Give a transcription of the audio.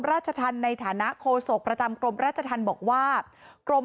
ราชธรรมในฐานะโคศกประจำกรมราชธรรมบอกว่ากรม